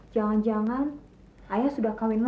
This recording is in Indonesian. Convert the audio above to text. jangan jangan ayah sudah kawin